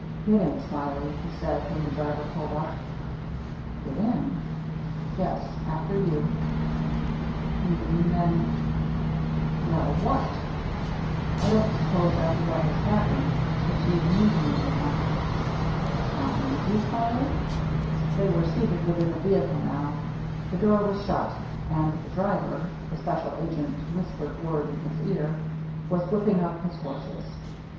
" Get in. Smiley," he said, when the driver pulled up. "Get in?" "Yes — after you." "You mean, then —" "Well, what?" " I didn't suppose after what has happened that you'd need me any longer." " Not need you, Smiley ?" They were seated within the vehicle now, the door was shut, and the driver, the special agent's whispered word in his ear, was whipping up his horses.